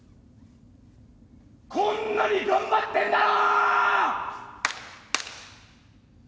こんなに頑張ってんだろ！